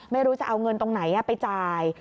ไม่รู้จะเอาเงินตรงไหนไปจ่าย